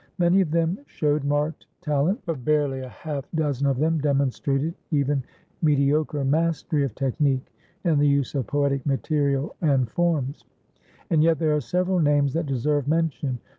Many of them showed marked talent, but barely a half dozen of them demonstrated even mediocre mastery of technique in the use of poetic material and forms. And yet there are several names that deserve mention.